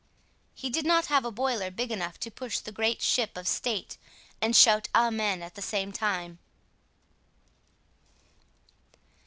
He did not have a boiler big enough to push the great ship of state and shout Amen at the same time.